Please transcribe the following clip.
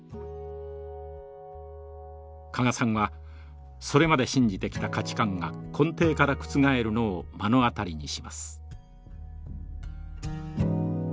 加賀さんはそれまで信じてきた価値観が根底から覆るのを目の当たりにします。